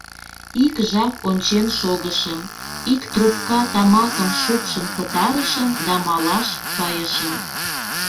Ик жап ончен шогышым, ик трупка тамакым шупшын пытарышым да малаш кайышым.